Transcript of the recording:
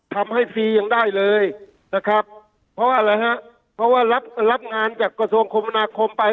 ทำให้ฟรียังได้เลยนะครับเพราะว่าอะไรฮะเพราะว่ารับงานกับกระทรวงคมพนาคมไป